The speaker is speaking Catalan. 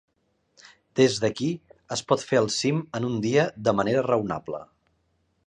Des d'aquí, es pot fer el cim en un dia de manera raonable.